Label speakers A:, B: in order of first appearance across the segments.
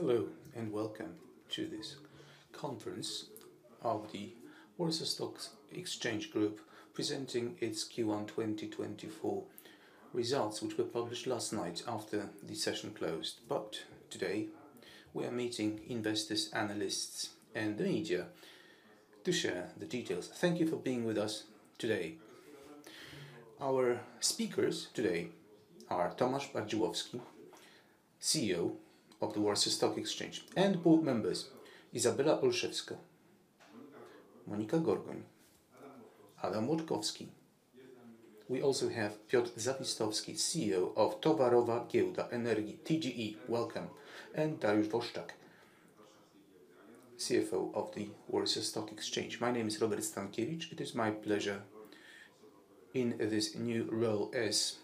A: Hello, and welcome to this conference of the Warsaw Stock Exchange Group, Presenting its Q1 2024 Results, which were published last night after the session closed. But today, we are meeting investors, analysts, and the media to share the details. Thank you for being with us today. Our speakers today are Tomasz Bardziłowski, CEO of the Warsaw Stock Exchange, and board members Izabela Olszewska, Monika Gorgoń, Adam Młodkowski. We also have Piotr Zawistowski, CEO of Towarowa Giełda Energii, TGE. Welcome. And Dariusz Wośczak, CFO of the Warsaw Stock Exchange. My name is Robert Stankiewicz. It is my pleasure in this new role as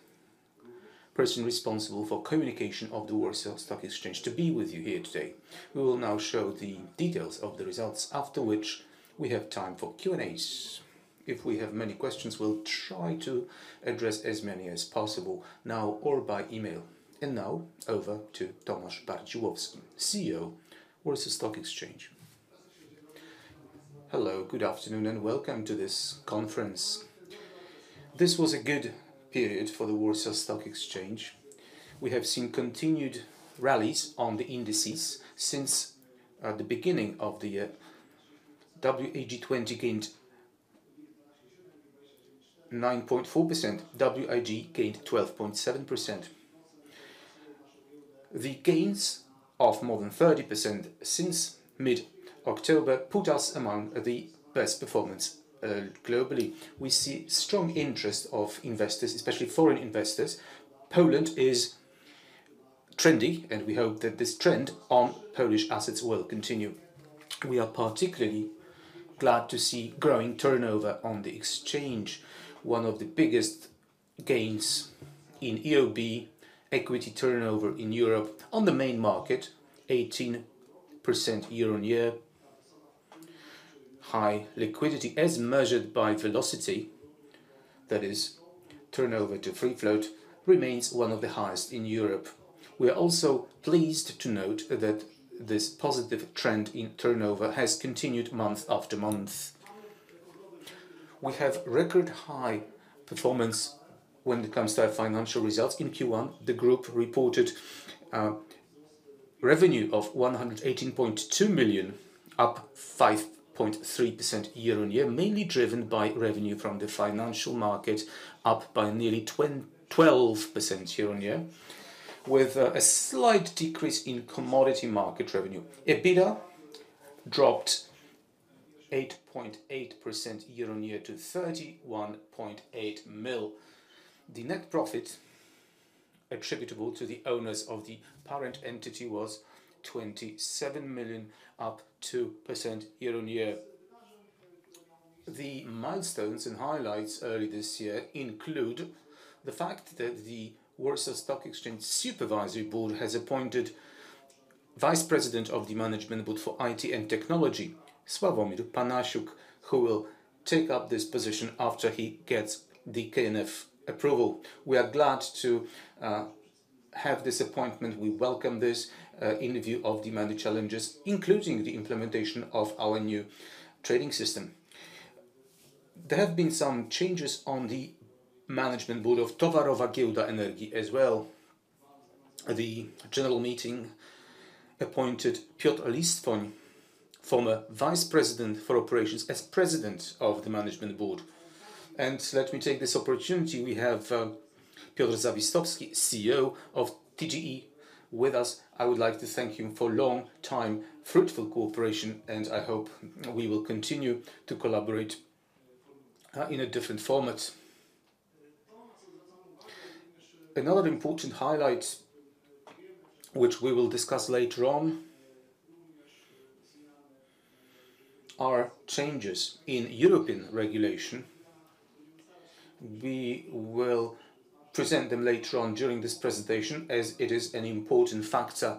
A: person responsible for communication of the Warsaw Stock Exchange to be with you here today. We will now show the details of the results, after which we have time for Q&As. If we have many questions, we'll try to address as many as possible now or by email. Now over to Tomasz Bardziłowski, CEO, Warsaw Stock Exchange. Hello, good afternoon, and welcome to this conference. This was a good period for the Warsaw Stock Exchange. We have seen continued rallies on the indices since the beginning of the year. WIG20 gained 9.4%, WIG gained 12.7%. The gains of more than 30% since mid-October put us among the best performance globally. We see strong interest of investors, especially foreign investors. Poland is trendy, and we hope that this trend on Polish assets will continue. We are particularly glad to see growing turnover on the exchange, one of the biggest gains in EOB equity turnover in Europe on the main market, 18% year-on-year. High liquidity, as measured by velocity, that is, turnover to free float, remains one of the highest in Europe. We are also pleased to note that this positive trend in turnover has continued month after month. We have record high performance when it comes to our financial results. In Q1, the group reported revenue of 118.2 million, up 5.3% year-on-year, mainly driven by revenue from the financial market, up by nearly 12% year-on-year, with a slight decrease in commodity market revenue. EBITDA dropped 8.8% year-on-year to 31.8 million. The net profit attributable to the owners of the parent entity was 27 million, up 2% year-on-year. The milestones and highlights early this year include the fact that the Warsaw Stock Exchange Supervisory Board has appointed Vice President of the Management Board for IT and Technology, Sławomir Panasiuk, who will take up this position after he gets the KNF approval. We are glad to have this appointment. We welcome this in view of the many challenges, including the implementation of our new trading system. There have been some changes on the management board of Towarowa Giełda Energii as well. The general meeting appointed Piotr Listwon, former Vice President for Operations, as President of the Management Board. And let me take this opportunity, we have Piotr Zawistowski, CEO of TGE, with us. I would like to thank him for long time, fruitful cooperation, and I hope we will continue to collaborate in a different format. Another important highlight, which we will discuss later on, are changes in European regulation. We will present them later on during this presentation, as it is an important factor.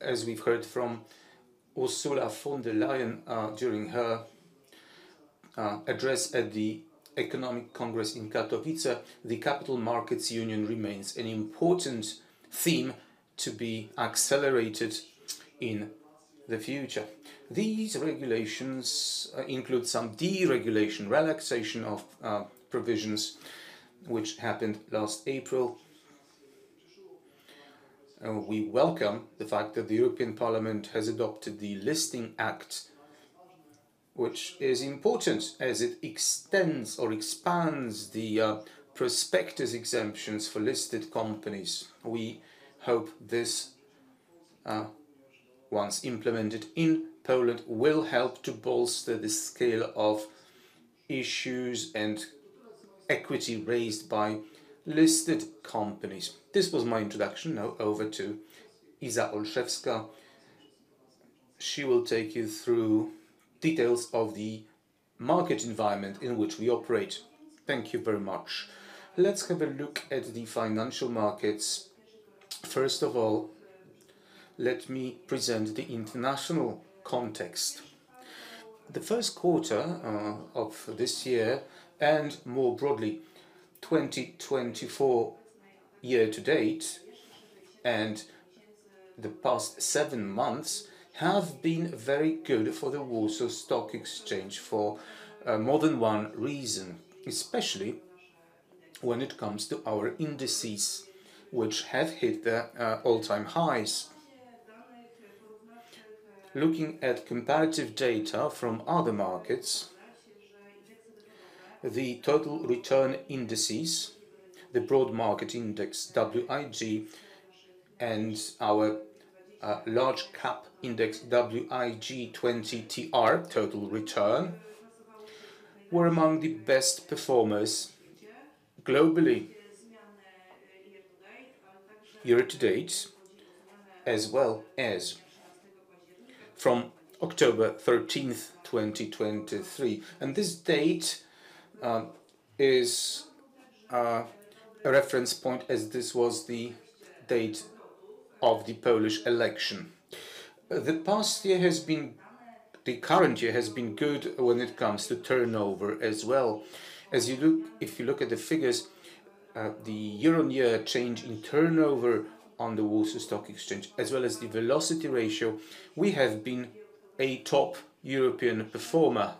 A: As we've heard from Ursula von der Leyen during her address at the Economic Congress in Katowice, the Capital Markets Union remains an important theme to be accelerated in the future. These regulations include some deregulation, relaxation of provisions, which happened last April. We welcome the fact that the European Parliament has adopted the Listing Act, which is important as it extends or expands the prospectus exemptions for listed companies. We hope this once implemented in Poland will help to bolster the scale of issues and equity raised by listed companies. This was my introduction. Now over to Izabela Olszewska. She will take you through details of the market environment in which we operate. Thank you very much. Let's have a look at the financial markets. First of all, let me present the international context. The first quarter of this year, and more broadly, 2024 year-to-date, and the past seven months have been very good for the Warsaw Stock Exchange for more than one reason, especially when it comes to our indices, which have hit their all-time highs. Looking at comparative data from other markets, the total return indices, the broad market index WIG, and our large cap index, WIG20TR, total return, were among the best performers globally, year-to-date, as well as from October 13th, 2023. And this date is a reference point, as this was the date of the Polish election. The current year has been good when it comes to turnover as well. If you look at the figures, the year-over-year change in turnover on the Warsaw Stock Exchange, as well as the velocity ratio, we have been a top European performer.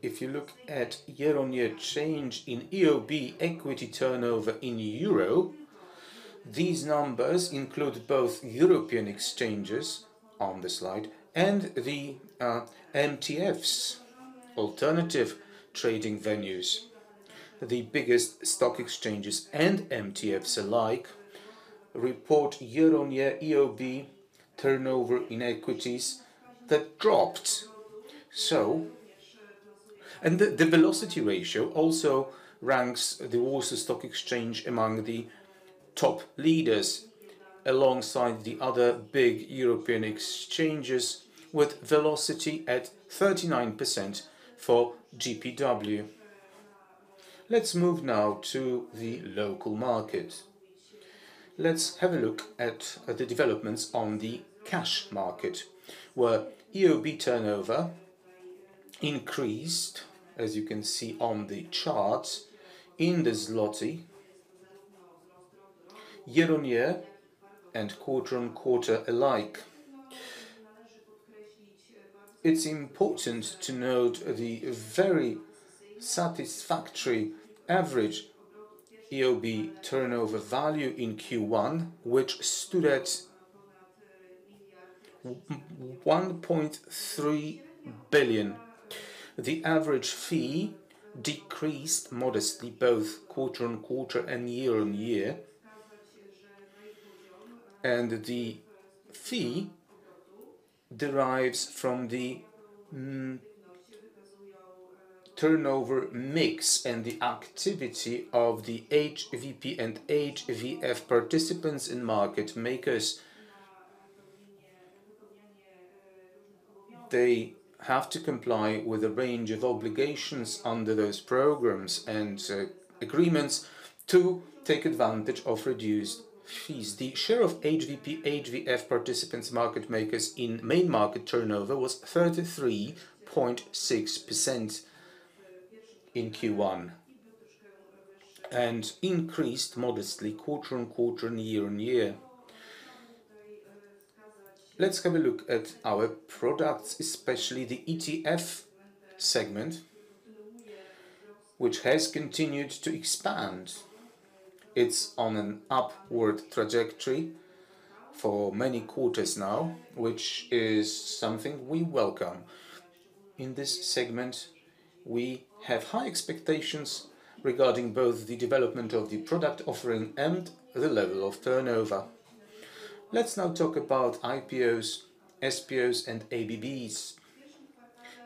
A: If you look at year-over-year change in EOB equity turnover in euro, these numbers include both European exchanges on the slide and the MTFs, alternative trading venues. The biggest stock exchanges and MTFs alike report year-over-year EOB turnover in equities that dropped. So, the velocity ratio also ranks the Warsaw Stock Exchange among the top leaders, alongside the other big European exchanges, with velocity at 39% for GPW. Let's move now to the local market. Let's have a look at the developments on the cash market, where EOB turnover increased, as you can see on the chart, in the zloty, year-over-year and quarter-over-quarter alike. It's important to note the very satisfactory average EOB turnover value in Q1, which stood at 1.3 billion. The average fee decreased modestly, both quarter-on-quarter and year-on-year. The fee derives from the turnover mix and the activity of the HVP and HVF participants and market makers. They have to comply with a range of obligations under those programs and agreements to take advantage of reduced fees. The share of HVP, HVF participants market makers in main market turnover was 33.6% in Q1, and increased modestly quarter-on-quarter and year-on-year. Let's have a look at our products, especially the ETF segment, which has continued to expand. It's on an upward trajectory for many quarters now, which is something we welcome. In this segment, we have high expectations regarding both the development of the product offering and the level of turnover. Let's now talk about IPOs, SPOs, and ABBs.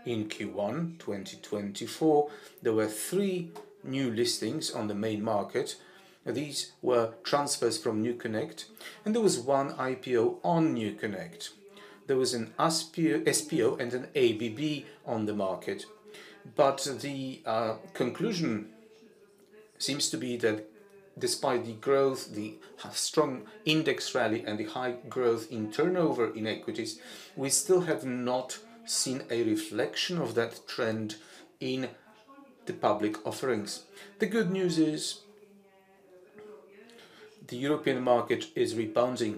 A: In Q1 2024, there were three new listings on the main market. These were transfers from NewConnect, and there was one IPO on NewConnect. There was an SPO and an ABB on the market. But the conclusion seems to be that despite the growth, the strong index rally and the high growth in turnover in equities, we still have not seen a reflection of that trend in the public offerings. The good news is, the European market is rebounding.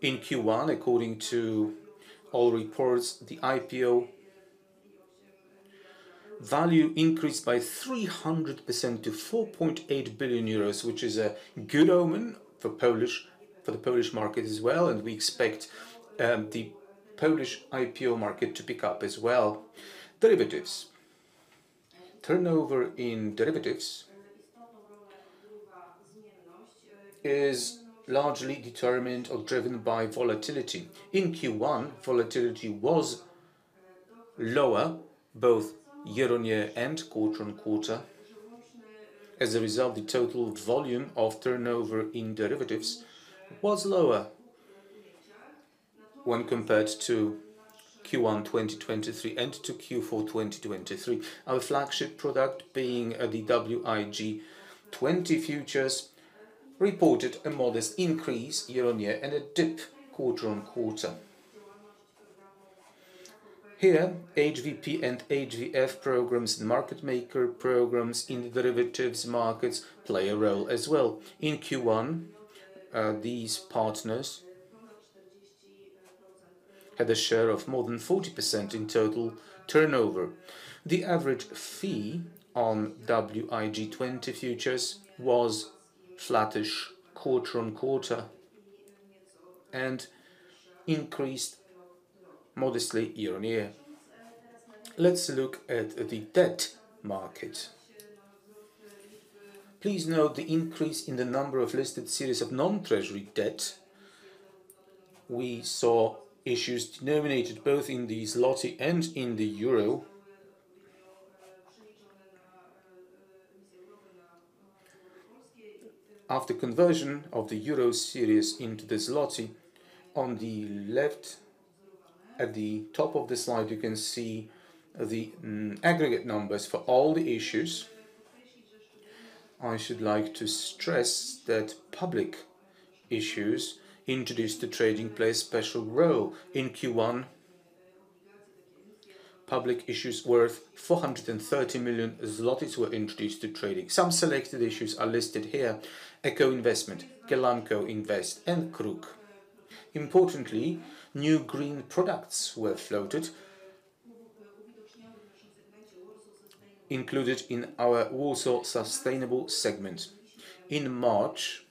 A: In Q1, according to all reports, the IPO value increased by 300% to 4.8 billion euros, which is a good omen for Polish-- for the Polish market as well, and we expect the Polish IPO market to pick up as well. Derivatives. Turnover in derivatives is largely determined or driven by volatility. In Q1, volatility was lower, both year-on-year and quarter-on-quarter. As a result, the total volume of turnover in derivatives was lower when compared to Q1 2023 and to Q4 2023, our flagship product being the WIG20 futures, reported a modest increase year-on-year and a dip quarter-on-quarter. Here, HVP and HVF programs and market maker programs in the derivatives markets play a role as well. In Q1, these partners had a share of more than 40% in total turnover. The average fee on WIG20 futures was flattish quarter-on-quarter and increased modestly year-on-year. Let's look at the debt market. Please note the increase in the number of listed series of non-treasury debt. We saw issues denominated both in the zloty and in the euro. After conversion of the euro series into the zloty, on the left, at the top of the slide, you can see the aggregate numbers for all the issues. I should like to stress that public issues introduced to trading play a special role. In Q1, public issues worth 430 million zlotys were introduced to trading. Some selected issues are listed here: Echo Investment, Ghelamco Invest, and Kruk. Importantly, new green products were floated, included in our Warsaw Sustainable segment. In March,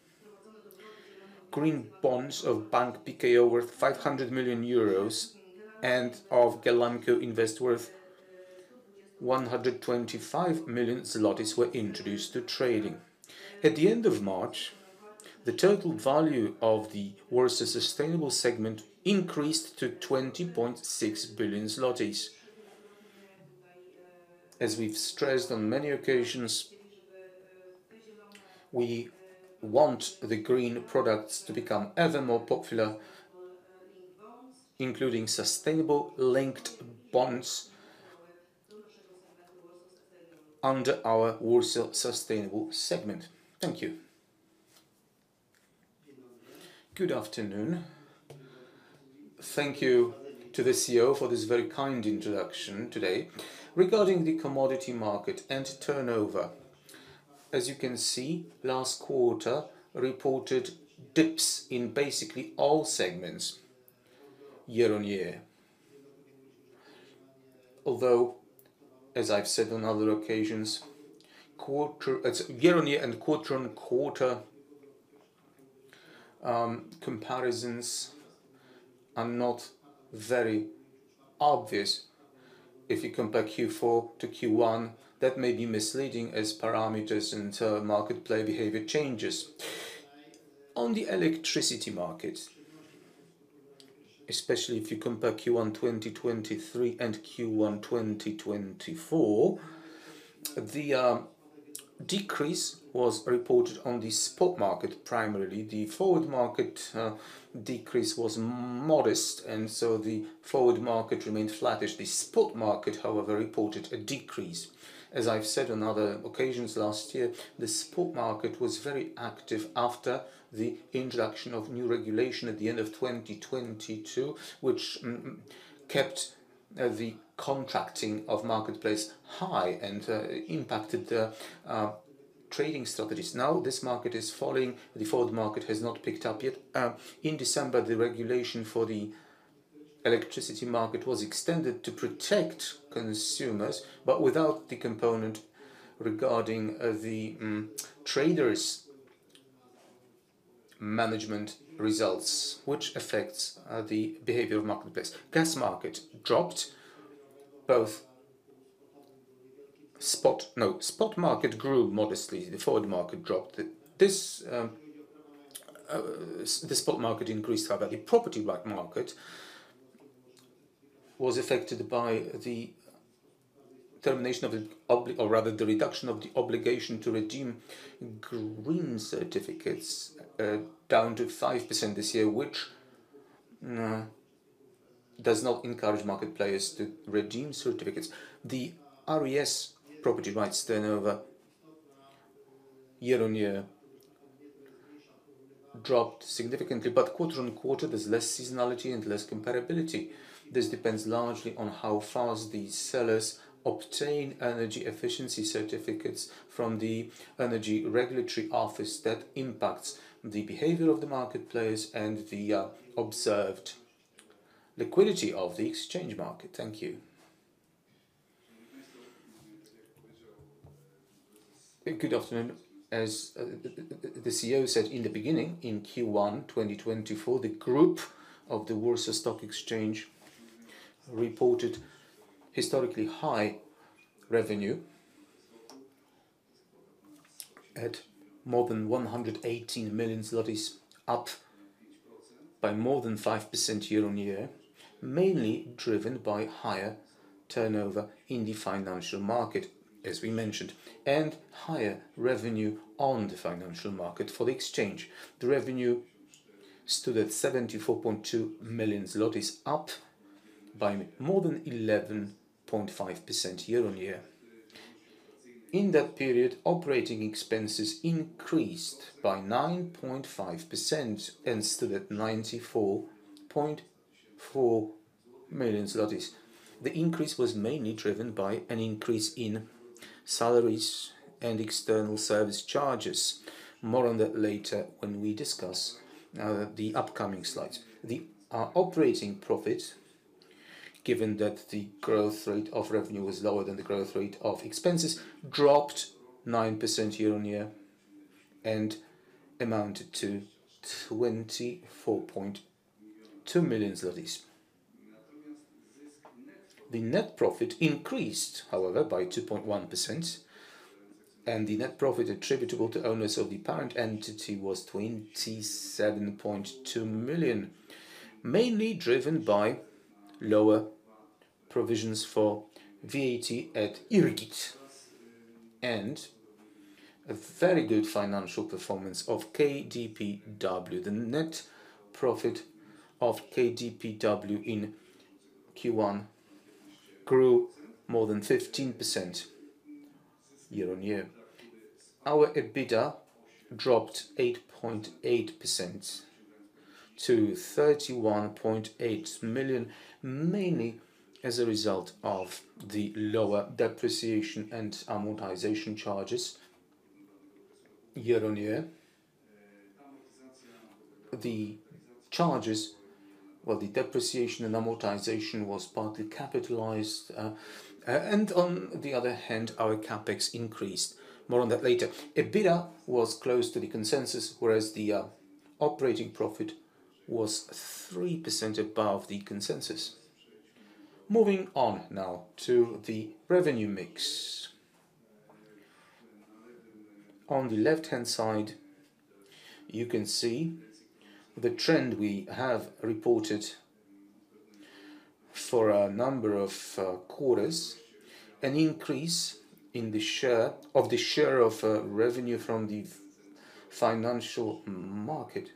A: green bonds of Bank PKO worth 500 million euros and of Ghelamco Invest worth 125 million zlotys were introduced to trading. At the end of March, the total value of the Warsaw Sustainable segment increased to 20.6 billion zlotys. As we've stressed on many occasions, we want the green products to become ever more popular, including sustainable linked bonds under our Warsaw Sustainable segment. Thank you. Good afternoon. Thank you to the CEO for this very kind introduction today. Regarding the commodity market and turnover, as you can see, last quarter reported dips in basically all segments year-on-year. Although, as I've said on other occasions, year-on-year and quarter-on-quarter comparisons are not very obvious. If you compare Q4-Q1, that may be misleading as parameters and market play behavior changes. On the electricity market, especially if you compare Q1 2023 and Q1 2024, the decrease was reported on the spot market, primarily. The forward market decrease was modest, and so the forward market remained flattish. The spot market, however, reported a decrease. As I've said on other occasions last year, the spot market was very active after the introduction of new regulation at the end of 2022, which kept the contracting of marketplace high and impacted the trading strategies. Now, this market is falling. The forward market has not picked up yet. In December, the regulation for the electricity market was extended to protect consumers, but without the component regarding the traders' management results, which affects the behavior of marketplace. Gas market dropped. Spot market grew modestly. The forward market dropped. This, the spot market increased; however, the property market was affected by the termination of the obligation or rather, the reduction of the obligation to redeem green certificates down to 5% this year, which does not encourage market players to redeem certificates. The RES property rights turnover year-on-year dropped significantly, but quarter-on-quarter, there's less seasonality and less comparability. This depends largely on how fast the sellers obtain energy efficiency certificates from the energy regulatory office that impacts the behavior of the marketplace and the observed liquidity of the exchange market. Thank you. Good afternoon. As the CEO said in the beginning, in Q1 2024, the group of the Warsaw Stock Exchange reported historically high revenue at more than 118 million zlotys, up by more than 5% year-on-year.... mainly driven by higher turnover in the financial market, as we mentioned, and higher revenue on the financial market for the exchange. The revenue stood at 74.2 million zlotys, up by more than 11.5% year-on-year. In that period, operating expenses increased by 9.5% and stood at 94.4 million zlotys. The increase was mainly driven by an increase in salaries and external service charges. More on that later when we discuss the upcoming slides. The operating profit, given that the growth rate of revenue was lower than the growth rate of expenses, dropped 9% year-on-year and amounted to PLN 24.2 million. The net profit increased, however, by 2.1%, and the net profit attributable to owners of the parent entity was 27.2 million, mainly driven by lower provisions for VAT at IRGiT and a very good financial performance of KDPW. The net profit of KDPW in Q1 grew more than 15% year-on-year. Our EBITDA dropped 8.8% to 31.8 million, mainly as a result of the lower depreciation and amortization charges year-on-year. The charges, well, the depreciation and amortization was partly capitalized, and on the other hand, our CapEx increased. More on that later. EBITDA was close to the consensus, whereas the operating profit was 3% above the consensus. Moving on now to the revenue mix. On the left-hand side, you can see the trend we have reported for a number of quarters, an increase in the share of the share of revenue from the financial market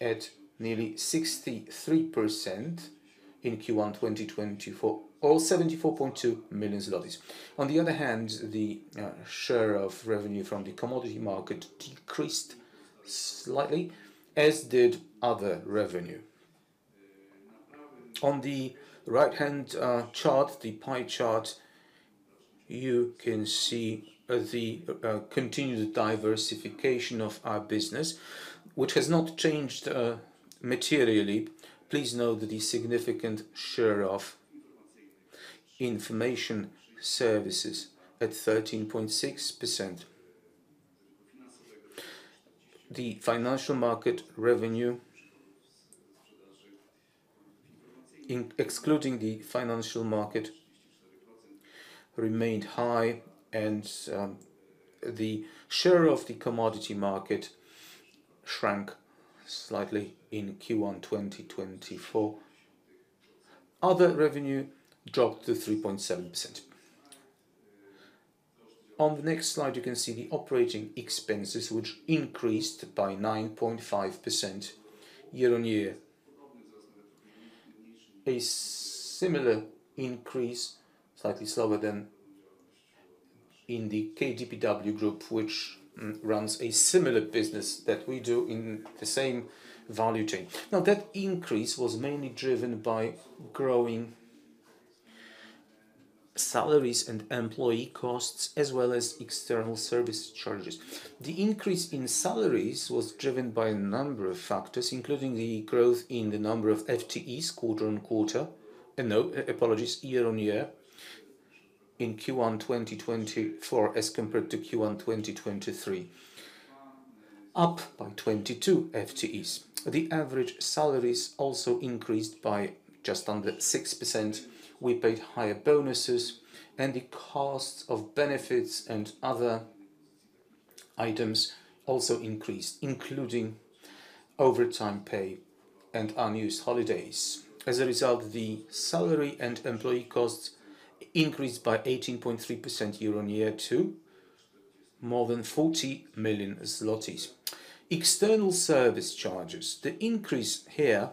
A: at nearly 63% in Q1 2024, or 74.2 million zlotys. On the other hand, the share of revenue from the commodity market decreased slightly, as did other revenue. On the right-hand chart, the pie chart, you can see the continued diversification of our business, which has not changed materially. Please note the significant share of information services at 13.6%. The financial market revenue, excluding the financial market, remained high, and the share of the commodity market shrank slightly in Q1 2024. Other revenue dropped to 3.7%. On the next slide, you can see the operating expenses, which increased by 9.5% year-on-year. A similar increase, slightly slower than in the KDPW group, which runs a similar business that we do in the same value chain. Now, that increase was mainly driven by growing salaries and employee costs, as well as external service charges. The increase in salaries was driven by a number of factors, including the growth in the number of FTEs quarter-on-quarter. No, apologies, year-on-year in Q1 2024 as compared to Q1 2023, up by 22 FTEs. The average salaries also increased by just under 6%. We paid higher bonuses, and the cost of benefits and other items also increased, including overtime pay and unused holidays. As a result, the salary and employee costs increased by 18.3% year-on-year to more than 40 million zlotys. External service charges. The increase here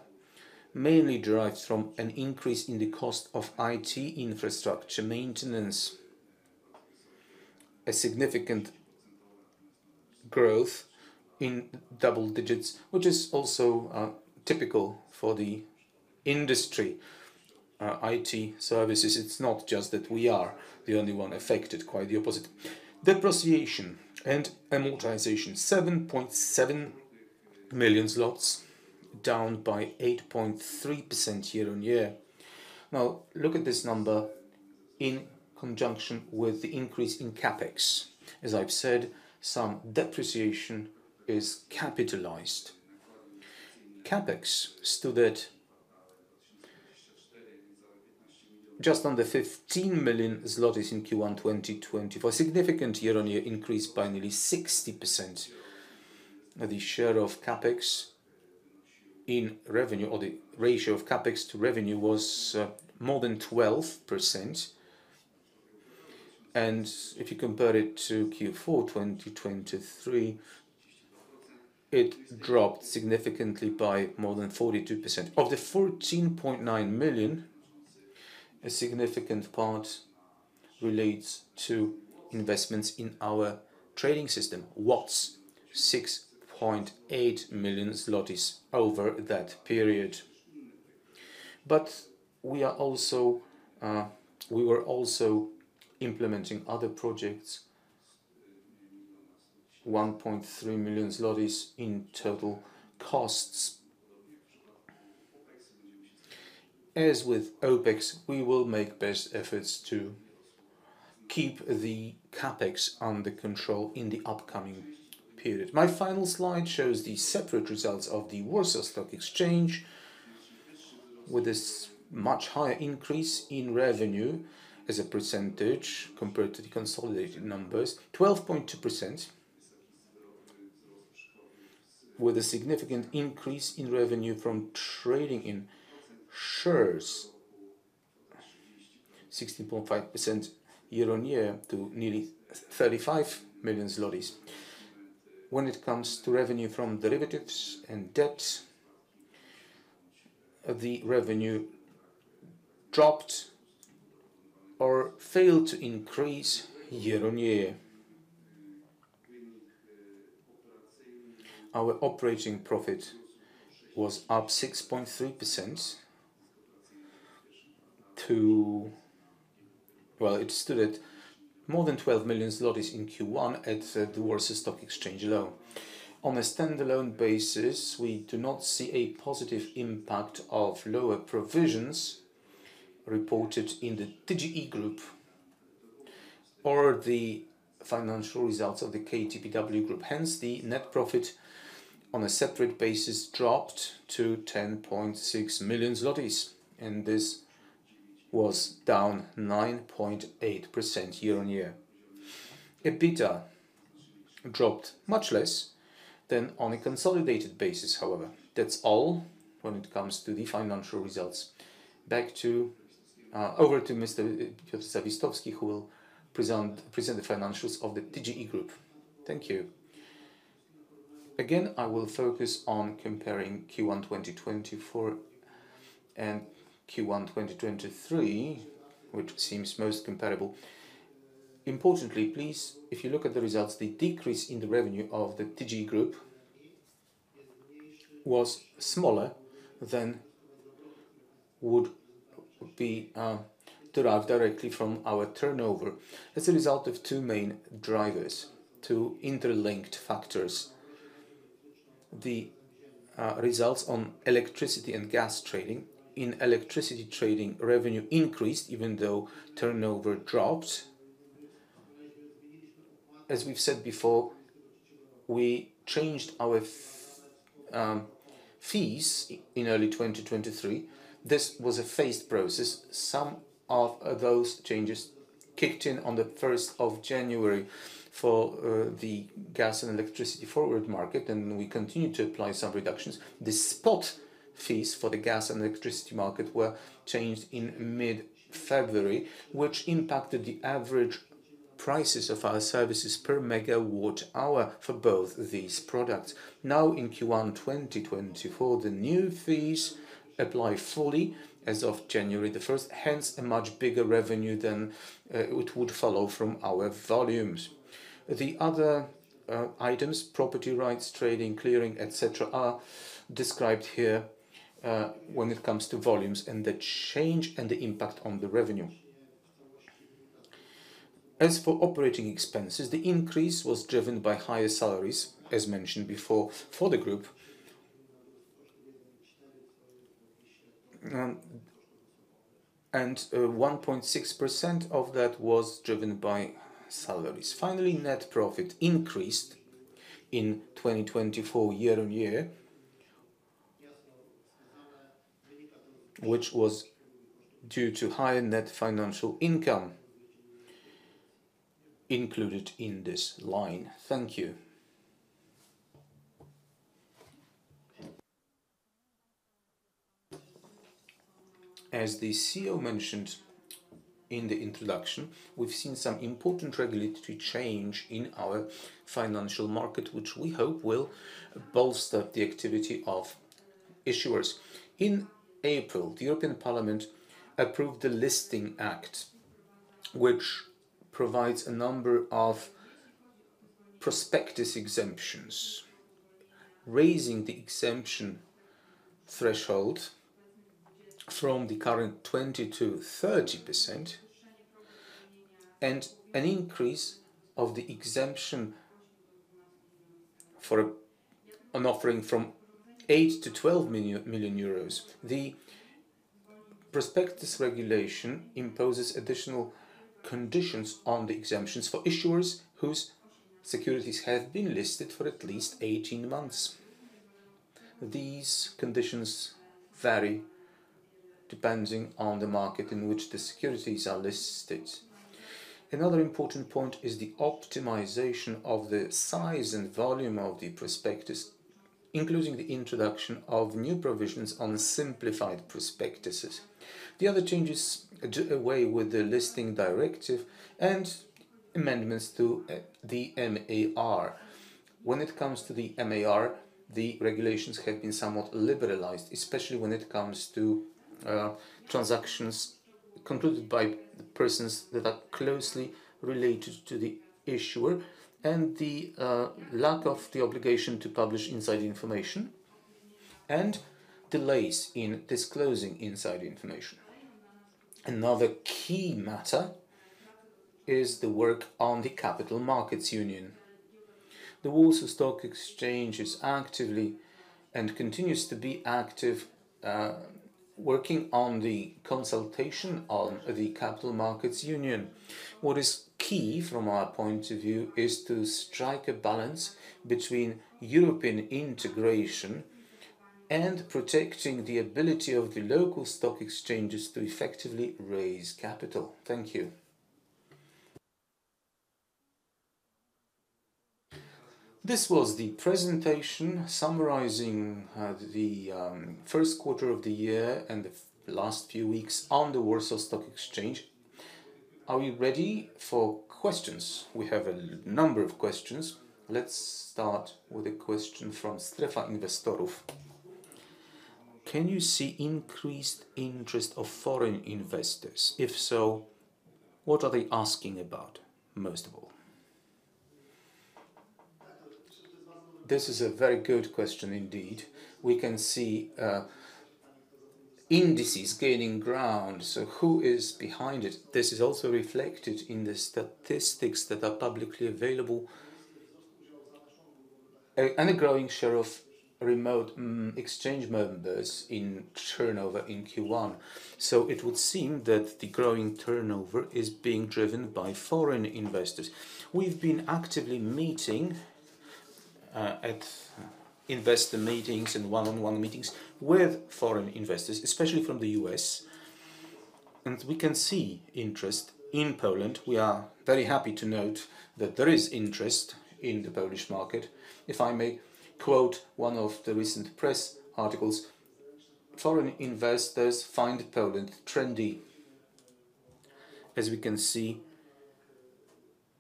A: mainly derives from an increase in the cost of IT infrastructure maintenance, a significant growth in double digits, which is also, typical for the industry, IT services. It's not just that we are the only one affected, quite the opposite. Depreciation and amortization, 7.7 million zlotys, down by 8.3% year-on-year. Now, look at this number in conjunction with the increase in CapEx. As I've said, some depreciation is capitalized. CapEx stood at just under 15 million zlotys in Q1 2020 for a significant year-on-year increase by nearly 60%. The share of CapEx in revenue or the ratio of CapEx to revenue was, more than 12%. And if you compare it to Q4 2023, it dropped significantly by more than 42%. Of the 14.9 million, a significant part relates to investments in our trading system, WATS, 6.8 million zlotys over that period. But we are also, we were also implementing other projects, PLN 1.3 million in total costs. As with OpEx, we will make best efforts to keep the CapEx under control in the upcoming period. My final slide shows the separate results of the Warsaw Stock Exchange, with this much higher increase in revenue as a percentage compared to the consolidated numbers, 12.2%, with a significant increase in revenue from trading in shares, 16.5% year-on-year to nearly 35 million zlotys. When it comes to revenue from derivatives and debts, the revenue dropped or failed to increase year-on-year. Our operating profit was up 6.3% to— Well, it stood at more than 12 million zlotys in Q1 at the Warsaw Stock Exchange alone. On a standalone basis, we do not see a positive impact of lower provisions reported in the TGE group or the financial results of the KTPW group. Hence, the net profit on a separate basis dropped to 10.6 million zlotys, and this was down 9.8% year-on-year. EBITDA dropped much less than on a consolidated basis, however. That's all when it comes to the financial results. Back to, over to Mr. Zawistowski, who will present the financials of the TGE group. Thank you. Again, I will focus on comparing Q1 2024 and Q1 2023, which seems most comparable. Importantly, please, if you look at the results, the decrease in the revenue of the TGE group was smaller than would be derived directly from our turnover as a result of two main drivers, two interlinked factors. The results on electricity and gas trading. In electricity trading, revenue increased even though turnover dropped. As we've said before, we changed our fees in early 2023. This was a phased process. Some of those changes kicked in on the first of January for the gas and electricity forward market, and we continued to apply some reductions. The spot fees for the gas and electricity market were changed in mid-February, which impacted the average prices of our services per megawatt hour for both these products. Now, in Q1 2024, the new fees apply fully as of January 1st, hence a much bigger revenue than it would follow from our volumes. The other items, property rights, trading, clearing, et cetera, are described here, when it comes to volumes and the change and the impact on the revenue. As for operating expenses, the increase was driven by higher salaries, as mentioned before, for the group. And 1.6% of that was driven by salaries. Finally, net profit increased in 2024 year-on-year, which was due to higher net financial income included in this line. Thank you. As the CEO mentioned in the introduction, we've seen some important regulatory change in our financial market, which we hope will bolster the activity of issuers. In April, the European Parliament approved the Listing Act, which provides a number of prospectus exemptions, raising the exemption threshold from the current 20%-30%, and an increase of the exemption for an offering from 8 million-12 million euros. The prospectus regulation imposes additional conditions on the exemptions for issuers whose securities have been listed for at least 18 months. These conditions vary depending on the market in which the securities are listed. Another important point is the optimization of the size and volume of the prospectus, including the introduction of new provisions on simplified prospectuses. The other changes do away with the listing directive and amendments to the MAR. When it comes to the MAR, the regulations have been somewhat liberalized, especially when it comes to transactions concluded by persons that are closely related to the issuer, and the lack of the obligation to publish inside information, and delays in disclosing inside information. Another key matter is the work on the Capital Markets Union. The Warsaw Stock Exchange is actively and continues to be active working on the consultation on the Capital Markets Union. What is key from our point of view is to strike a balance between European integration and protecting the ability of the local stock exchanges to effectively raise capital. Thank you. This was the presentation summarizing the first quarter of the year and the last few weeks on the Warsaw Stock Exchange. Are we ready for questions? We have a number of questions. Let's start with a question from Strefa Inwestorów: Can you see increased interest of foreign investors? If so, what are they asking about, most of all? This is a very good question indeed. We can see indices gaining ground, so who is behind it? This is also reflected in the statistics that are publicly available, and a growing share of remote exchange members in turnover in Q1. So it would seem that the growing turnover is being driven by foreign investors. We've been actively meeting at investor meetings and one-on-one meetings with foreign investors, especially from the U.S., and we can see interest in Poland. We are very happy to note that there is interest in the Polish market. If I may quote one of the recent press articles, "Foreign investors find Poland trendy," as we can see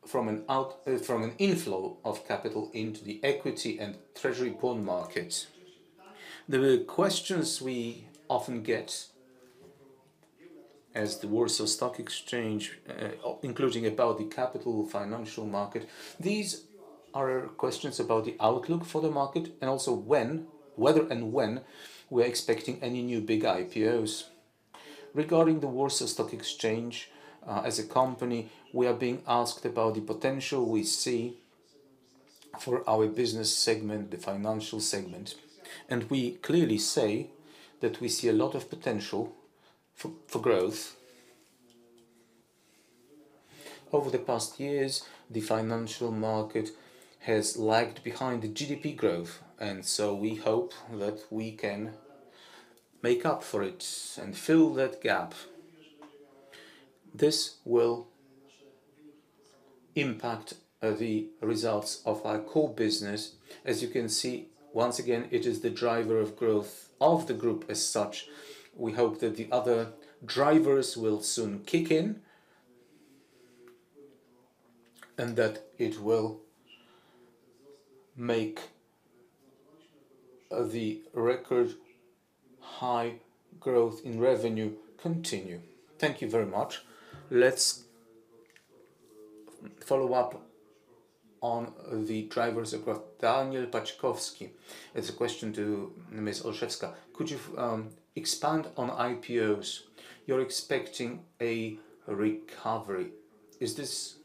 A: from an inflow of capital into the equity and treasury bond market. The questions we often get as the Warsaw Stock Exchange, including about the capital financial market, these are questions about the outlook for the market, and also whether and when we're expecting any new big IPOs. Regarding the Warsaw Stock Exchange, as a company, we are being asked about the potential we see for our business segment, the financial segment, and we clearly say that we see a lot of potential for growth. Over the past years, the financial market has lagged behind the GDP growth, and so we hope that we can make up for it and fill that gap. This will impact the results of our core business. As you can see, once again, it is the driver of growth of the group as such. We hope that the other drivers will soon kick in, and that it will make the record high growth in revenue continue. Thank you very much. Let's follow up on the drivers of growth. Daniel Paćkowski, it's a question to Ms. Olszewska: Could you expand on IPOs? You're expecting a recovery. Is this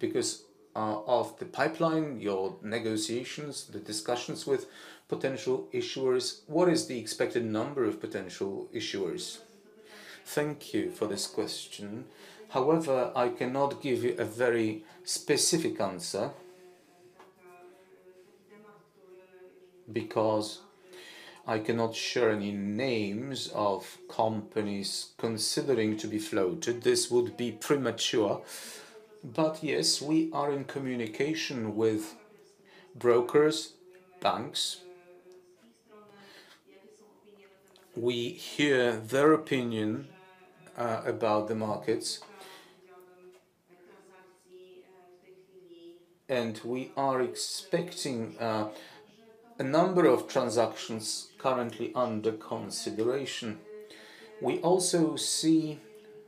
A: because of the pipeline, your negotiations, the discussions with potential issuers? What is the expected number of potential issuers? Thank you for this question. However, I cannot give you a very specific answer, because I cannot share any names of companies considering to be floated. This would be premature. But yes, we are in communication with brokers, banks. We hear their opinion about the markets, and we are expecting a number of transactions currently under consideration. We also see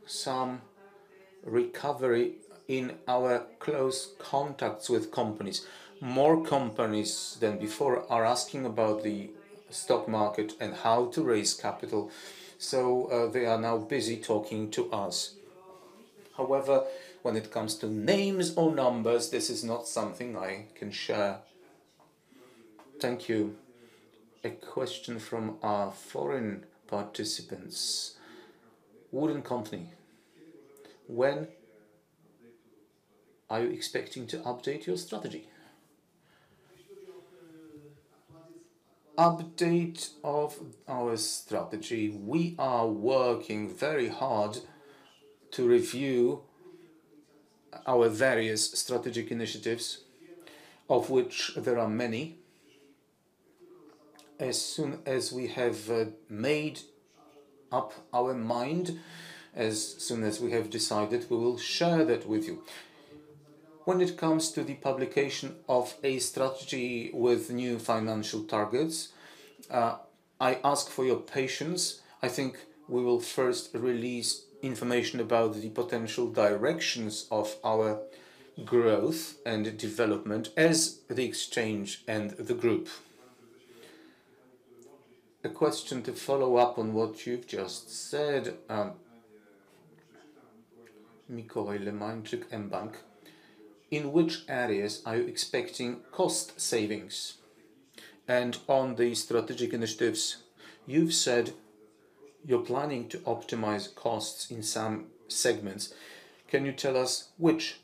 A: some recovery in our close contacts with companies. More companies than before are asking about the stock market and how to raise capital, so they are now busy talking to us. However, when it comes to names or numbers, this is not something I can share. Thank you. A question from our foreign participants, Wood & Company: Are you expecting to update your strategy? Update of our strategy, we are working very hard to review our various strategic initiatives, of which there are many. As soon as we have made up our mind, as soon as we have decided, we will share that with you. When it comes to the publication of a strategy with new financial targets, I ask for your patience. I think we will first release information about the potential directions of our growth and development as the exchange and the group. A question to follow up on what you've just said, Mikołaj Lemańczyk, mBank: In which areas are you expecting cost savings? And on the strategic initiatives, you've said you're planning to optimize costs in some segments. Can you tell us which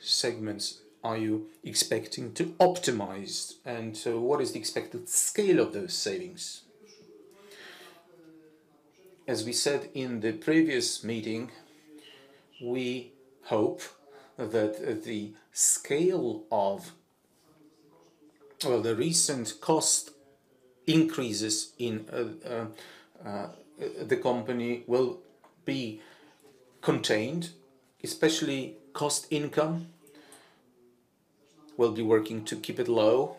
A: segments are you expecting to optimize, and what is the expected scale of those savings? As we said in the previous meeting, we hope that the scale of, or the recent cost increases in, the company will be contained, especially cost income. We'll be working to keep it low.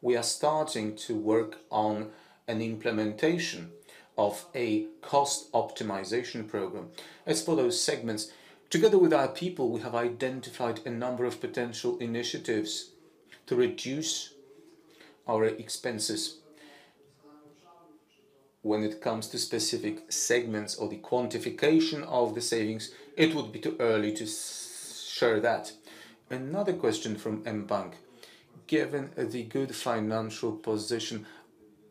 A: We are starting to work on an implementation of a cost optimization program. As for those segments, together with our people, we have identified a number of potential initiatives to reduce our expenses. When it comes to specific segments or the quantification of the savings, it would be too early to share that. Another question from mBank, given the good financial position,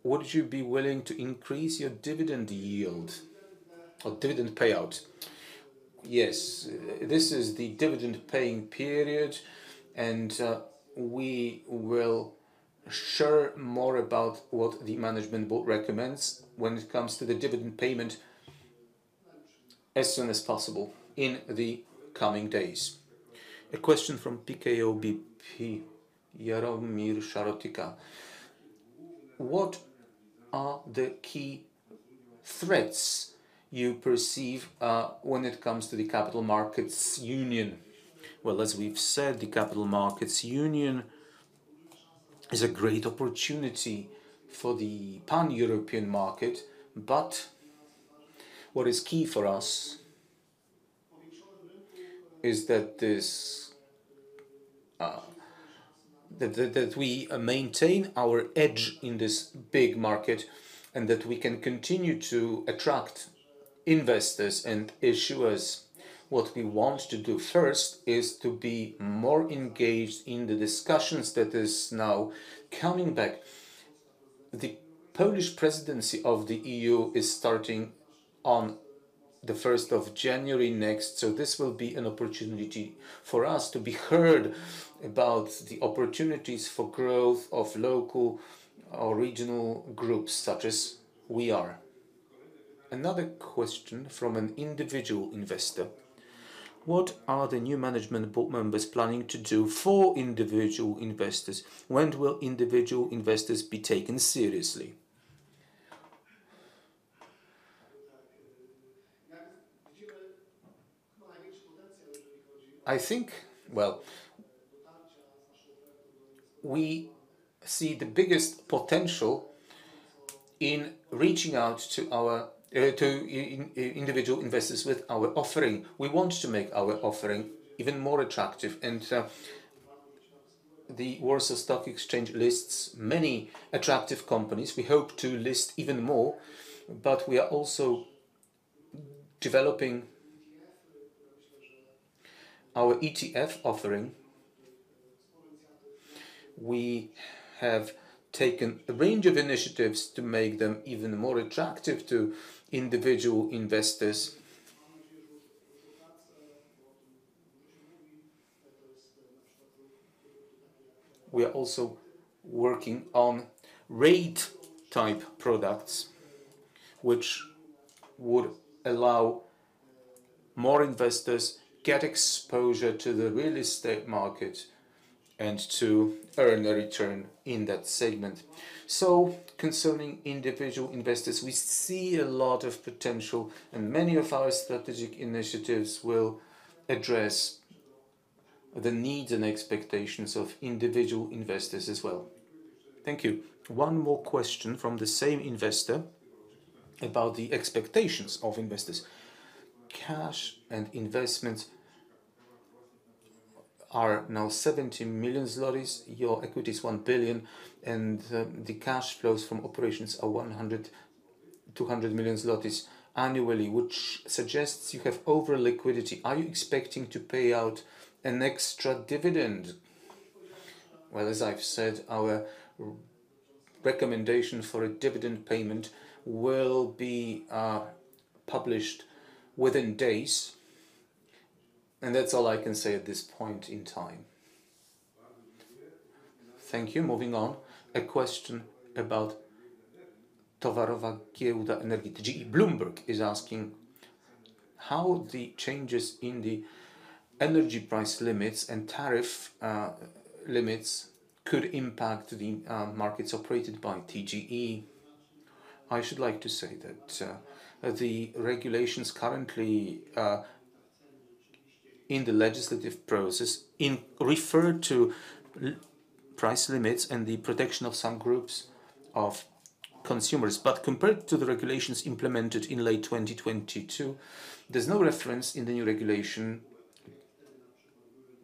A: would you be willing to increase your dividend yield or dividend payout? Yes, this is the dividend paying period, and we will share more about what the management board recommends when it comes to the dividend payment as soon as possible in the coming days. A question from PKO BP, Jaromir Szortyka. What are the key threats you perceive when it comes to the Capital Markets Union? Well, as we've said, the Capital Markets Union is a great opportunity for the pan-European market, but what is key for us is that this, that we maintain our edge in this big market, and that we can continue to attract investors and issuers. What we want to do first is to be more engaged in the discussions that is now coming back. The Polish presidency of the EU is starting on the first of January next, so this will be an opportunity for us to be heard about the opportunities for growth of local or regional groups such as we are. Another question from an individual investor: What are the new management board members planning to do for individual investors? When will individual investors be taken seriously? I think, well, we see the biggest potential in reaching out to our, to individual investors with our offering. We want to make our offering even more attractive, and the Warsaw Stock Exchange lists many attractive companies. We hope to list even more, but we are also developing our ETF offering. We have taken a range of initiatives to make them even more attractive to individual investors. We are also working on REIT-type products, which would allow more investors get exposure to the real estate market and to earn a return in that segment. So concerning individual investors, we see a lot of potential, and many of our strategic initiatives will address the needs and expectations of individual investors as well. Thank you. One more question from the same investor about the expectations of investors. Cash and investments are now 70 million zlotys. Your equity is 1 billion, and, the cash flows from operations are 100 million-200 million zlotys annually, which suggests you have over liquidity. Are you expecting to pay out an extra dividend? Well, as I've said, our recommendation for a dividend payment will be, published within days, and that's all I can say at this point in time. Thank you. Moving on, a question about Towarowa Giełda Energii. Bloomberg is asking: how the changes in the energy price limits and tariff, limits could impact the, markets operated by TGE? I should like to say that, the regulations currently, in the legislative process, in refer to price limits and the protection of some groups of consumers. But compared to the regulations implemented in late 2022, there's no reference in the new regulation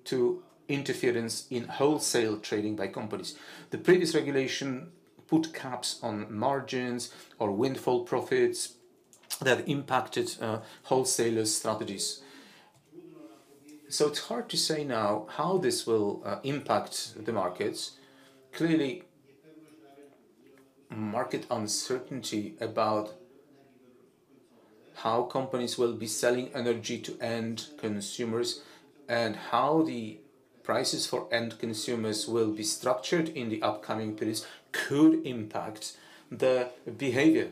A: to interference in wholesale trading by companies. The previous regulation put caps on margins or windfall profits that impacted, wholesalers' strategies. So it's hard to say now how this will, impact the markets. Clearly, market uncertainty about how companies will be selling energy to end consumers and how the prices for end consumers will be structured in the upcoming periods could impact the behavior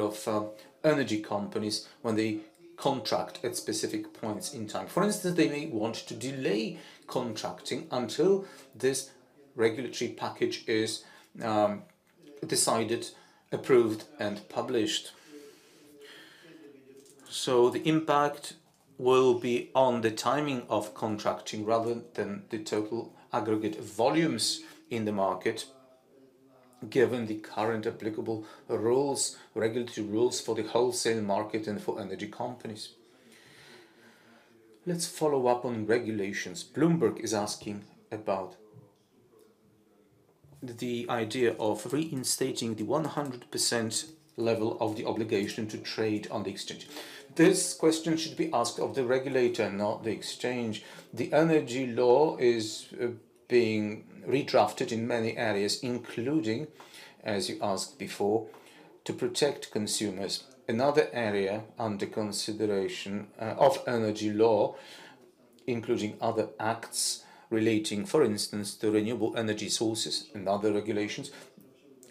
A: of energy companies when they contract at specific points in time. For instance, they may want to delay contracting until this regulatory package is decided, approved, and published. So the impact will be on the timing of contracting, rather than the total aggregate volumes in the market, given the current applicable rules, regulatory rules for the wholesale market and for energy companies. Let's follow up on regulations. Bloomberg is asking about the idea of reinstating the 100% level of the obligation to trade on the exchange. This question should be asked of the regulator, not the exchange. The energy law is being redrafted in many areas, including, as you asked before, to protect consumers. Another area under consideration of energy law, including other acts relating, for instance, to renewable energy sources and other regulations,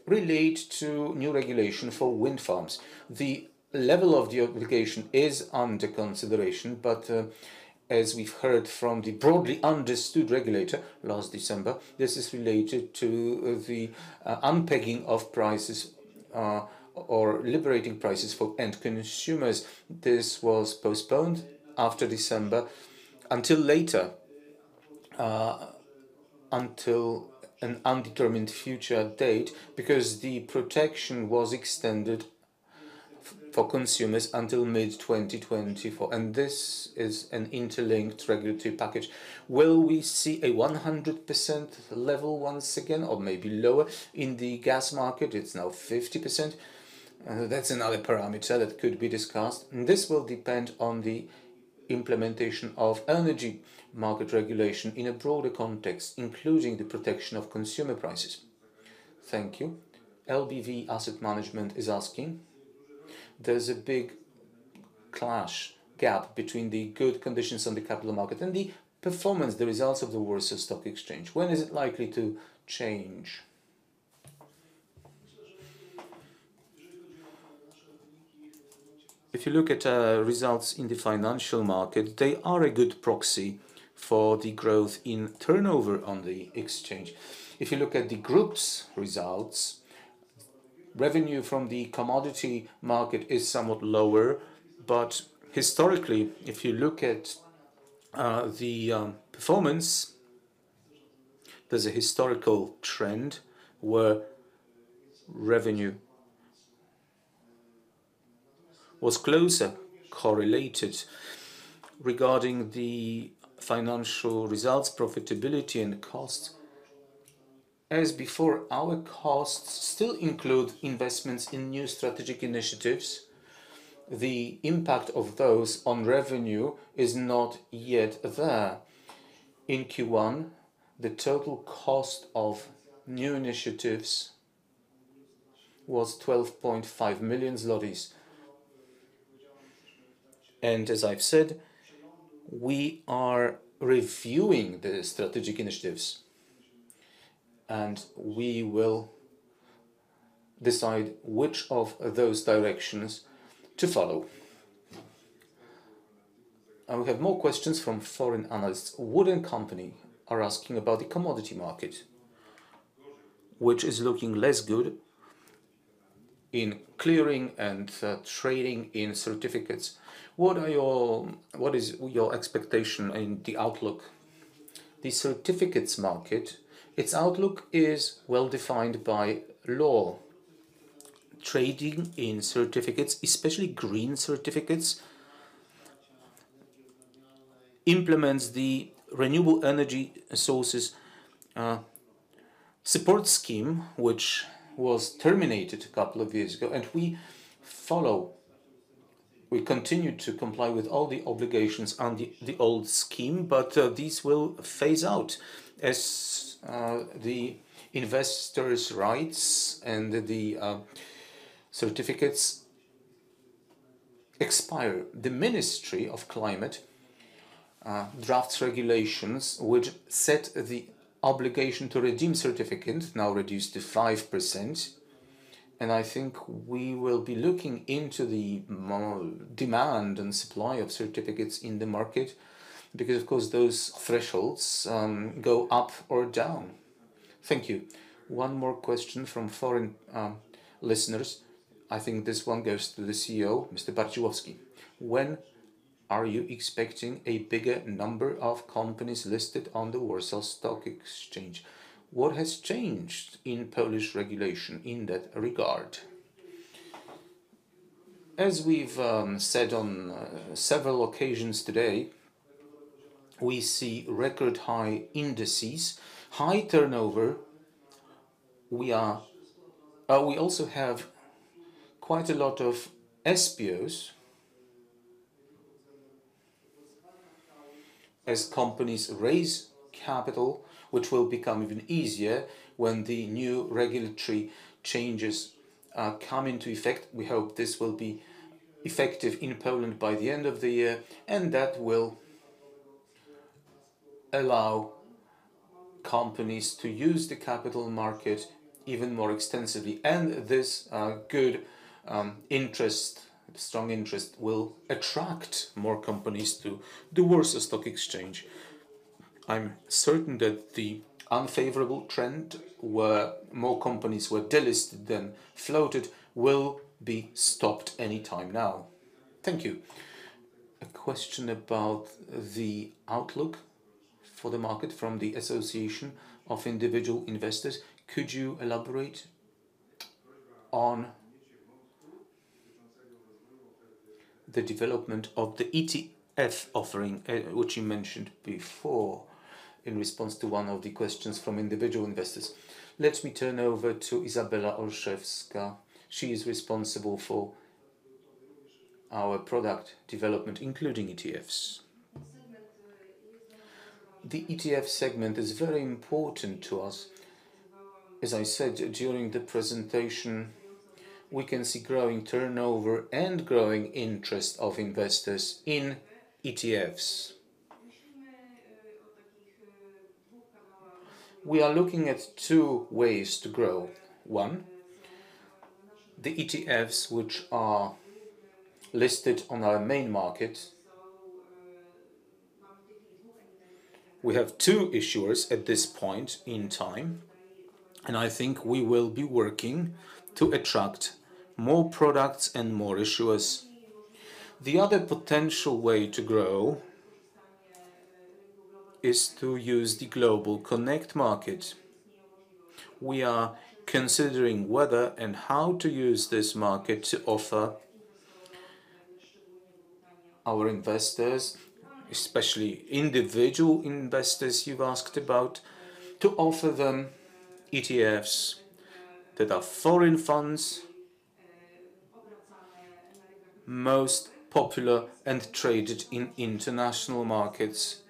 A: relate to new regulation for wind farms. The level of the obligation is under consideration, but as we've heard from the broadly understood regulator last December, this is related to the unpegging of prices or liberating prices for end consumers. This was postponed after December until later until an undetermined future date, because the protection was extended for consumers until mid-2024, and this is an interlinked regulatory package. Will we see a 100% level once again or maybe lower? In the gas market, it's now 50%. That's another parameter that could be discussed, and this will depend on the implementation of energy market regulation in a broader context, including the protection of consumer prices. Thank you. LBP Asset Management is asking: There's a big clash, gap between the good conditions on the capital market and the performance, the results of the Warsaw Stock Exchange. When is it likely to change? If you look at results in the financial market, they are a good proxy for the growth in turnover on the exchange. If you look at the group's results, revenue from the commodity market is somewhat lower. But historically, if you look at the performance, there's a historical trend where revenue was closer correlated regarding the financial results, profitability and cost. As before, our costs still include investments in new strategic initiatives. The impact of those on revenue is not yet there. In Q1, the total cost of new initiatives was 12.5 million zlotys. As I've said, we are reviewing the strategic initiatives, and we will decide which of those directions to follow. We have more questions from foreign analysts. Wood & Company are asking about the commodity market, which is looking less good in clearing and trading in certificates. What are your-- What is your expectation in the outlook? The certificates market, its outlook is well-defined by law. Trading in certificates, especially green certificates, implements the renewable energy sources support scheme, which was terminated a couple of years ago, and we continue to comply with all the obligations under the old scheme, but these will phase out as the investors' rights and the certificates expire. The Ministry of Climate drafts regulations which set the obligation to redeem certificates, now reduced to 5%, and I think we will be looking into the more demand and supply of certificates in the market, because, of course, those thresholds go up or down. Thank you. One more question from foreign listeners. I think this one goes to the CEO, Mr. Bardziłowski. When are you expecting a bigger number of companies listed on the Warsaw Stock Exchange? What has changed in Polish regulation in that regard? As we've said on several occasions today, we see record high indices, high turnover. We also have quite a lot of SPOs as companies raise capital, which will become even easier when the new regulatory changes come into effect. We hope this will be effective in Poland by the end of the year, and that will allow companies to use the capital market even more extensively, and this good, strong interest will attract more companies to the Warsaw Stock Exchange. I'm certain that the unfavorable trend, where more companies were delisted than floated, will be stopped any time now. Thank you. A question about the outlook for the market from the Association of Individual Investors: Could you elaborate on the development of the ETF offering, which you mentioned before in response to one of the questions from individual investors? Let me turn over to Izabela Olszewska. She is responsible for our product development, including ETFs. The ETF segment is very important to us. As I said during the presentation, we can see growing turnover and growing interest of investors in ETFs. We are looking at two ways to grow. One, the ETFs, which are listed on our main market. We have two issuers at this point in time, and I think we will be working to attract more products and more issuers. The other potential way to grow is to use the Global Connect market. We are considering whether and how to use this market to offer our investors, especially individual investors you've asked about, to offer them ETFs that are foreign funds, most popular and traded in international markets.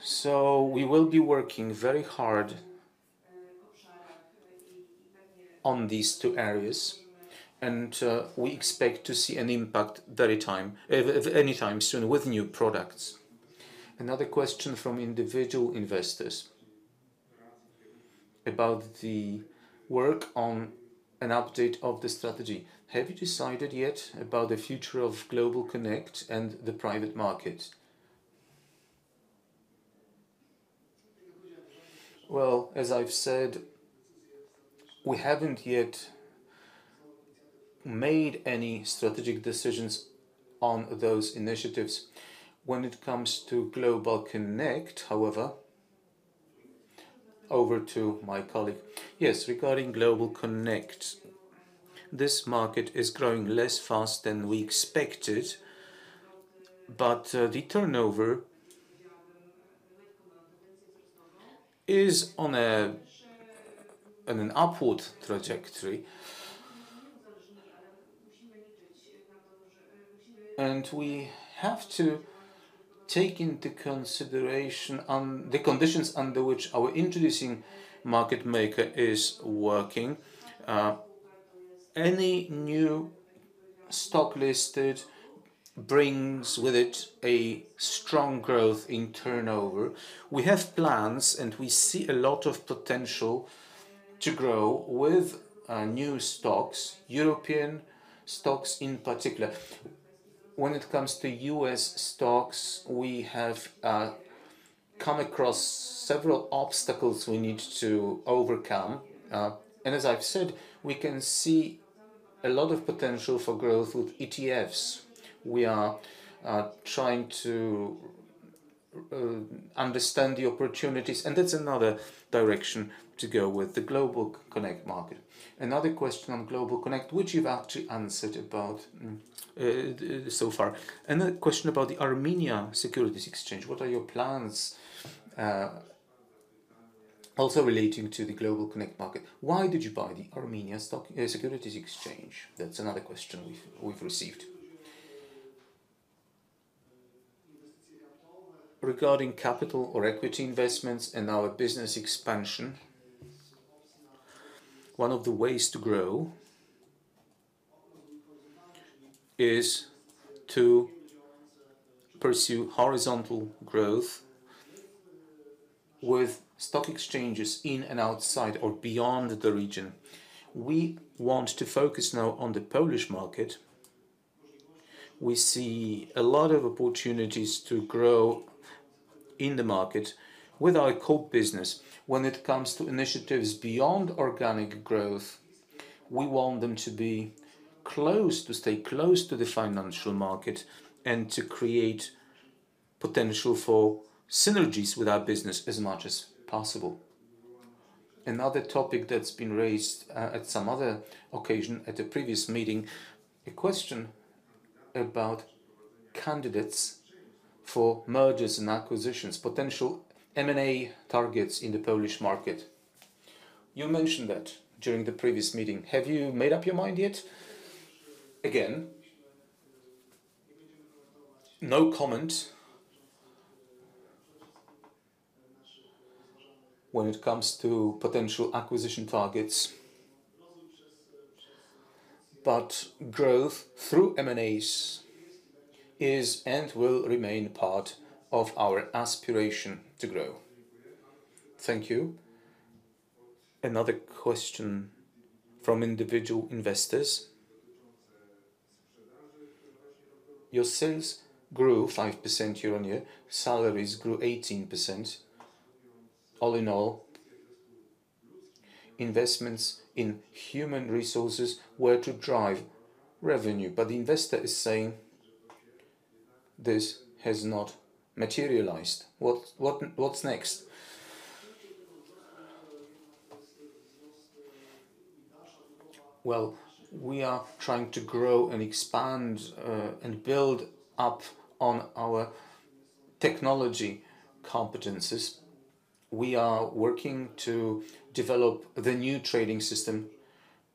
A: So we will be working very hard on these two areas, and we expect to see an impact any time soon with new products. Another question from individual investors about the work on an update of the strategy. Have you decided yet about the future of Global Connect and the private market? Well, as I've said, we haven't yet made any strategic decisions on those initiatives. When it comes to Global Connect, however, over to my colleague. Yes, regarding Global Connect, this market is growing less fast than we expected, but the turnover is on an upward trajectory. And we have to take into consideration the conditions under which our introducing market maker is working. Any new stock listed brings with it a strong growth in turnover. We have plans, and we see a lot of potential to grow with new stocks, European stocks in particular. When it comes to US stocks, we have come across several obstacles we need to overcome. And as I've said, we can see a lot of potential for growth with ETFs. We are trying to understand the opportunities, and that's another direction to go with the Global Connect market. Another question on Global Connect, which you've actually answered about, so far. Another question about the Armenia Securities Exchange: What are your plans... Also relating to the global connect market, why did you buy the Armenia Stock, Securities Exchange? That's another question we've received. Regarding capital or equity investments and our business expansion, one of the ways to grow is to pursue horizontal growth with stock exchanges in and outside or beyond the region. We want to focus now on the Polish market. We see a lot of opportunities to grow in the market with our core business. When it comes to initiatives beyond organic growth, we want them to be close, to stay close to the financial market, and to create potential for synergies with our business as much as possible. Another topic that's been raised at some other occasion at a previous meeting, a question about candidates for mergers and acquisitions, potential M&A targets in the Polish market. You mentioned that during the previous meeting. Have you made up your mind yet? Again, no comment when it comes to potential acquisition targets, but growth through M&As is and will remain part of our aspiration to grow. Thank you. Another question from individual investors: Your sales grew 5% year-on-year, salaries grew 18%. All in all, investments in human resources were to drive revenue, but the investor is saying this has not materialized. What's next? Well, we are trying to grow and expand, and build up on our technology competencies. We are working to develop the new trading system,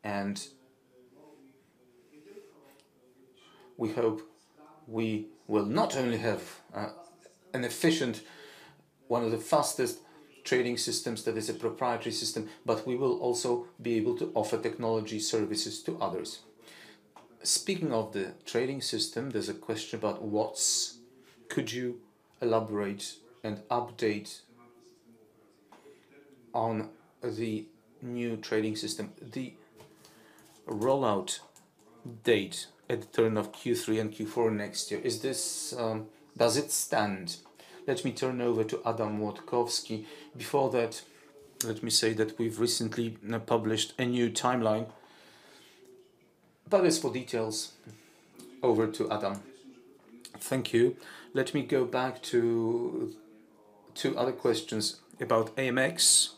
A: and we hope we will not only have an efficient, one of the fastest trading systems that is a proprietary system, but we will also be able to offer technology services to others. Speaking of the trading system, there's a question about what's... Could you elaborate and update on the new trading system? The rollout date at the turn of Q3 and Q4 next year, is this, does it stand? Let me turn over to Adam Młotkowski. Before that, let me say that we've recently now published a new timeline. But as for details, over to Adam. Thank you. Let me go back to two other questions about AMX.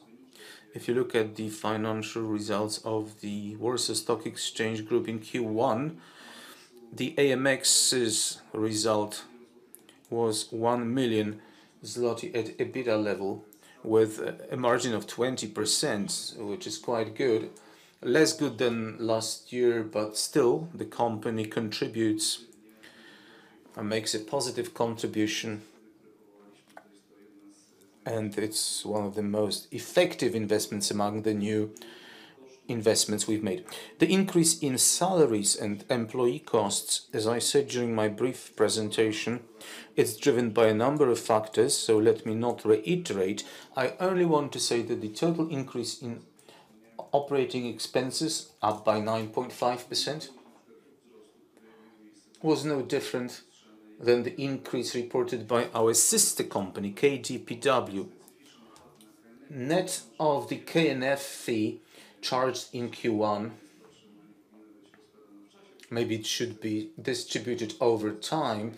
A: If you look at the financial results of the Warsaw Stock Exchange Group in Q1, the AMX's result was 1 million zloty at EBITDA level, with a margin of 20%, which is quite good. Less good than last year, but still, the company contributes and makes a positive contribution, and it's one of the most effective investments among the new investments we've made. The increase in salaries and employee costs, as I said during my brief presentation, is driven by a number of factors, so let me not reiterate. I only want to say that the total increase in operating expenses, up by 9.5%, was no different than the increase reported by our sister company, KDPW. Net of the KNF fee charged in Q1, maybe it should be distributed over time,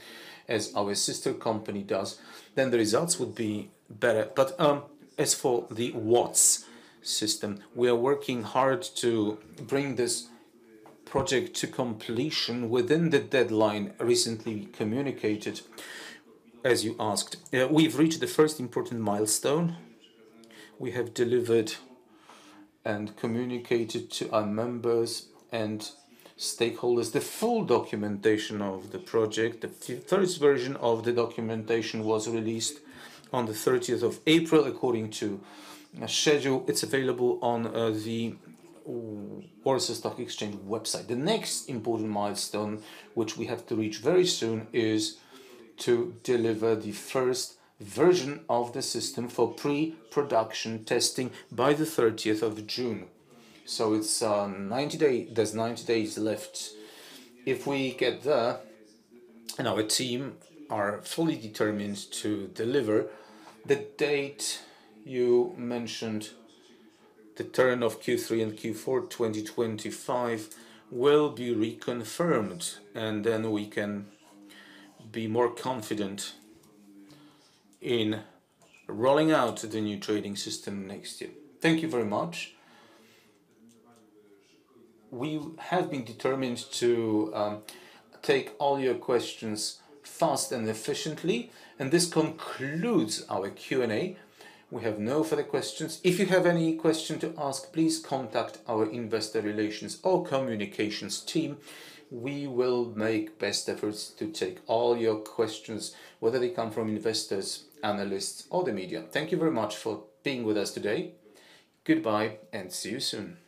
A: as our sister company does, then the results would be better. As for the WATS system, we are working hard to bring this project to completion within the deadline recently communicated, as you asked. We've reached the first important milestone. We have delivered and communicated to our members and stakeholders the full documentation of the project. The first version of the documentation was released on the thirtieth of April, according to schedule. It's available on the Warsaw Stock Exchange website. The next important milestone, which we have to reach very soon, is to deliver the first version of the system for pre-production testing by the thirtieth of June. There's 90 days left. If we get there, and our team are fully determined to deliver, the date you mentioned, the turn of Q3 and Q4, 2025, will be reconfirmed, and then we can be more confident in rolling out the new trading system next year. Thank you very much. We have been determined to take all your questions fast and efficiently, and this concludes our Q&A. We have no further questions. If you have any question to ask, please contact our investor relations or communications team. We will make best efforts to take all your questions, whether they come from investors, analysts, or the media. Thank you very much for being with us today. Goodbye, and see you soon.